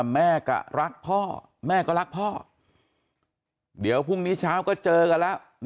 แม่ก็รักพ่อแม่ก็รักพ่อเดี๋ยวพรุ่งนี้เช้าก็เจอกันแล้ว